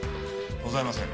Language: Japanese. ございません。